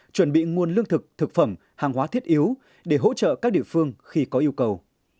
chuẩn bị nguồn lương thực thực phẩm hàng hóa thiết yếu để hỗ trợ các địa phương khi có yêu cầu